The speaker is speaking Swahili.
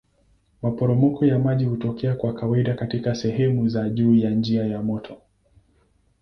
Maporomoko ya maji hutokea kwa kawaida katika sehemu za juu ya njia ya mto.